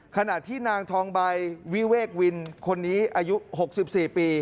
ขณะที่นางทองใบวิเวกวินคนนี้อายุ๖๔ปี